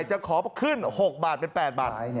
จะขอขึ้น๖บาทเป็น๘บาท